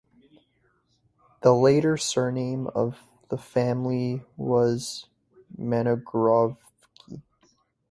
The later surname of the family was Mangarovci.